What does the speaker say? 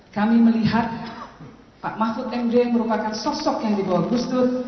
kami melihat pak mahfud md merupakan sosok yang dibawa gus dur